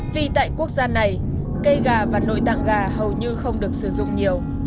vì tại quốc gia này cây gà và nội tạng gà hầu như không được sử dụng nhiều